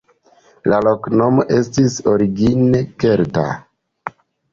La loknomo estis origine kelta.